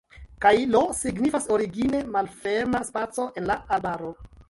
Kaj "Lo" signifas origine malferma spaco en la arbaro.